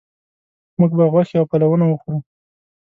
موږ به غوښې او پلونه وخورو